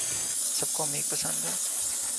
سب کو میک پسند ہیں